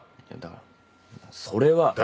いやだからそれは。